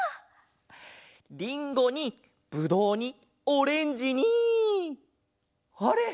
りんごにぶどうにオレンジにあれっ！？